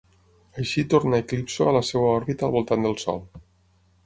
Així torna Eclipso a la seva òrbita al voltant del sol.